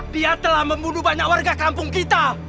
dia telah membunuh banyak warga kampung kita